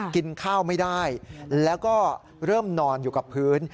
กินข้าวไม่ได้แล้วก็เริ่มนอนอยู่กับพื้น